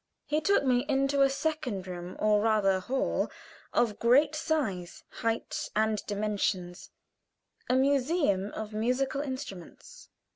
He took me into a second room, or rather hall, of great size, height, and dimensions, a museum of musical instruments.